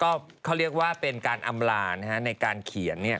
ก็เขาเรียกว่าเป็นการอำลาในการเขียน